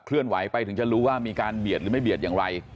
เลื่อนไหวไปถึงจะรู้ว่ามีการเบียดหรือไม่เบียดอย่างไร